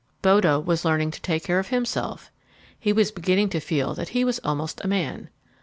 Bodo was learning to take care of himself. He was beginning to feel that he was almost a man.